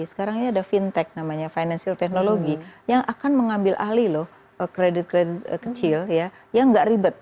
sekarang ini ada fintech namanya financial technology yang akan mengambil ahli loh kredit kredit kecil ya yang nggak ribet